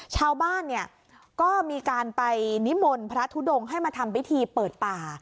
ชาวบ้านเนี่ยก็มีการไปนิมนต์พระทุดงให้มาทำพิธีเปิดป่า